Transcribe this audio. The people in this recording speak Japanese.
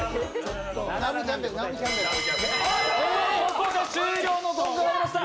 ここで終了のゴングが鳴りました。